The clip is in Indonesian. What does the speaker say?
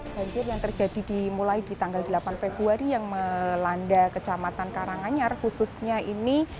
banjir yang terjadi dimulai di tanggal delapan februari yang melanda kecamatan karanganyar khususnya ini